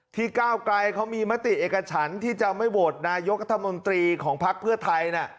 ก้าวไกลเขามีมติเอกฉันที่จะไม่โหวตนายกรัฐมนตรีของพักเพื่อไทย